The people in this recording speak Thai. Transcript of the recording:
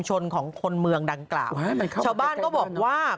ชาวบ้านก็บอกว่า